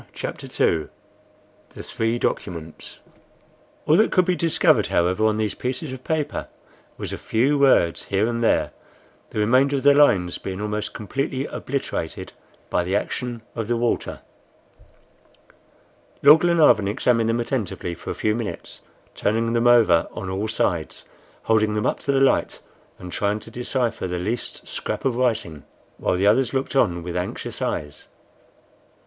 CHAPTER II THE THREE DOCUMENTS ALL that could be discovered, however, on these pieces of paper was a few words here and there, the remainder of the lines being almost completely obliterated by the action of the water. Lord Glenarvan examined them attentively for a few minutes, turning them over on all sides, holding them up to the light, and trying to decipher the least scrap of writing, while the others looked on with anxious eyes.